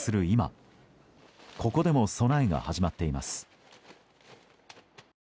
今ここでも備えが始まっています。